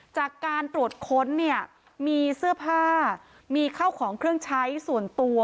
จากการตรวจค้นเนี่ยมีเสื้อผ้ามีข้าวของเครื่องใช้ส่วนตัว